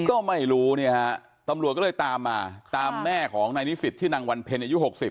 ก็ไม่รู้ตำรวจก็เลยตามมาตามแม่ของนายนิสิทธิ์ที่นางวันเพ็ญอายุ๖๐